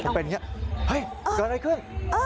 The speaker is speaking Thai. ผมเป็นอย่างนี้เฮ้ยเกิดอะไรขึ้น